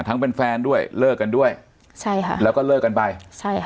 เป็นแฟนด้วยเลิกกันด้วยใช่ค่ะแล้วก็เลิกกันไปใช่ค่ะ